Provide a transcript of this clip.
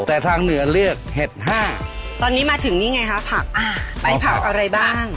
แต่ทางเหนือเรียกเห็ดห้าตอนนี้มาถึงนี่ไงคะผักอ่ามีผักอะไรบ้าง